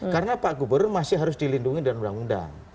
karena pak gubernur masih harus dilindungi dari undang undang